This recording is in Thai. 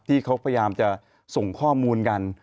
ที่เขาพยายามจะส่งข้อมูลกัน